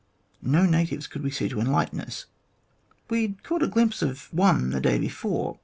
No natives could we see to enlighten us. We had caught a glimpse of one the day before.